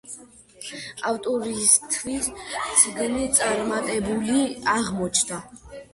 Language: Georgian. ავტორისთვის წიგნი წარმატებული აღმოჩნდა.